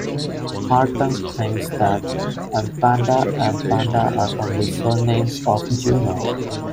Hartung thinks that "Empanda" and "Panda" are only surnames of Juno.